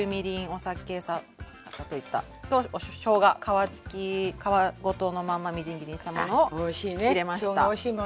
お酒さ砂糖言った。としょうが皮付き皮ごとのままみじん切りにしたものを入れました。